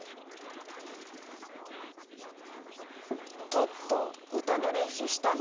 トット歌の練習したの？